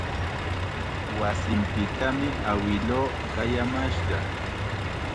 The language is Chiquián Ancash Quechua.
Wasinpitam awiluu qayamashqa.